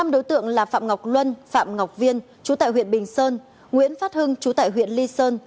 năm đối tượng là phạm ngọc luân phạm ngọc viên chú tại huyện bình sơn nguyễn phát hưng chú tại huyện lý sơn